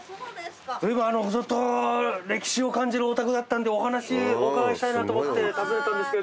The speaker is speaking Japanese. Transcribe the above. ずいぶん歴史を感じるお宅だったんでお話お伺いしたいなと思って訪ねたんですけど。